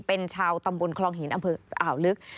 เป็นชาวตำบลคลองหินอำเภออ่าวลึก